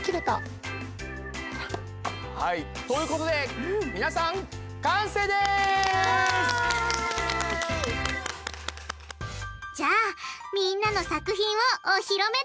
はいということでみなさんじゃあみんなの作品をお披露目だ！